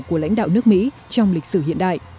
của lãnh đạo nước mỹ trong lịch sử hiện đại